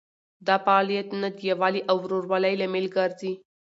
دا فعالیتونه د یووالي او ورورولۍ لامل ګرځي.